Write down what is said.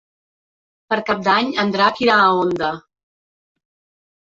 Per Cap d'Any en Drac irà a Onda.